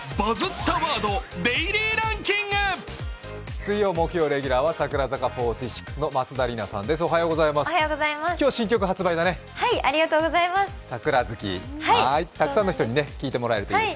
水曜・木曜レギュラーは櫻坂４６の松田里奈さんです。